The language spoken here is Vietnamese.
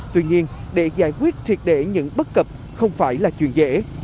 tuy nhiên để giải quyết triệt để những bất cập không phải là chuyện dễ